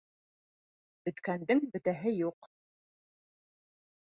Бөткәндең бөтәһе юҡ.